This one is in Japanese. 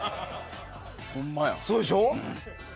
そうでしょう？